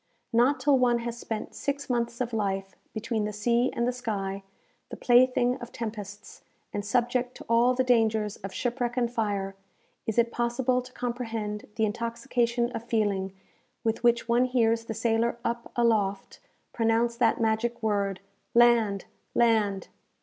Not till one has spent six months of life between the sea and the sky, the plaything of tempests, and subject to all the dangers of shipwreck and fire, is it possible to comprehend the intoxication of feeling with which one hears the sailor up aloft pronounce that magic word "Land! land!"